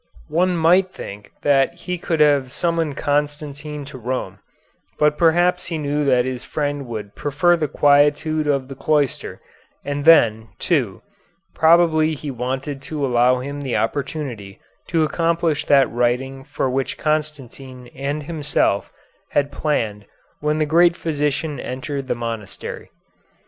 One might think that he could have summoned Constantine to Rome, but perhaps he knew that his friend would prefer the quietude of the cloister, and then, too, probably he wanted to allow him the opportunity to accomplish that writing for which Constantine and himself had planned when the great physician entered the monastery.